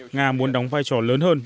nga muốn đóng vai trò lớn hơn